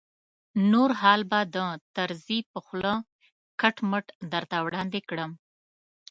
نور حال به د طرزي په خوله کټ مټ درته وړاندې کړم.